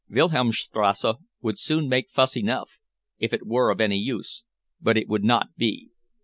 Wilhelmstrasse would soon make fuss enough, if it were of any use, but it would not be.